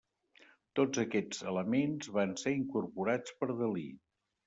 Tots aquests elements van ser incorporats per Dalí.